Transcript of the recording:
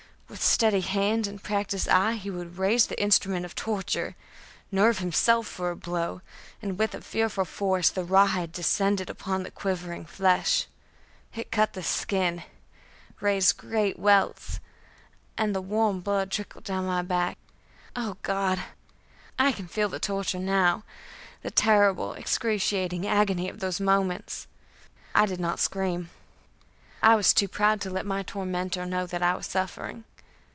With steady hand and practised eye he would raise the instrument of torture, nerve himself for a blow, and with fearful force the rawhide descended upon the quivering flesh. It cut the skin, raised great welts, and the warm blood trickled down my back. Oh God! I can feel the torture now the terrible, excruciating agony of those moments. I did not scream; I was too proud to let my tormentor know what I was suffering.